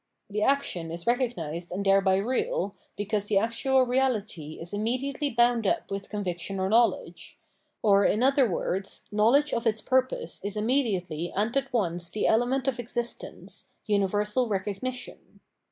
The action is recogmsed and thereby real, because the actual reahty is immediately bound up with conviction or knowledge; or, in other words, knowledge of its purpose is immediately and at once the element of existence, universal recognition.